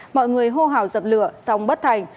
mọi người hô hào dập lửa sóng bất thành